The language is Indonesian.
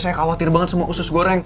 saya khawatir banget sama usus goreng